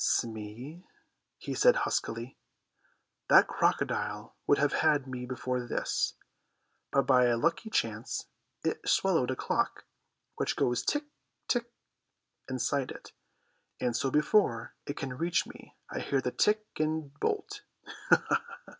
"Smee," he said huskily, "that crocodile would have had me before this, but by a lucky chance it swallowed a clock which goes tick tick inside it, and so before it can reach me I hear the tick and bolt."